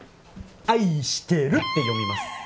「あいしてる」って読みます